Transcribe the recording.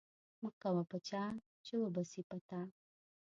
مه کوه په چا، چي و به سي په تا.